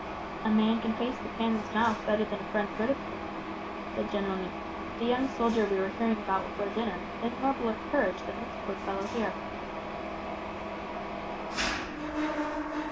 "A man can face the cannon's mouth better than a friend's ridicule," said General Newton; "the young soldier we were hearing about before dinner had a nobler courage than this poor fellow here."